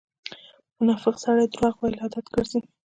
د منافق سړی درواغ وويل عادت ګرځئ.